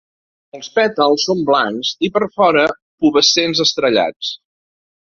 Els pètals són blancs i per fora pubescents estrellats.